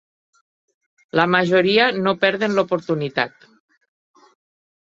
La majoria no perden l'oportunitat.